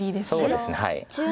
そうですね。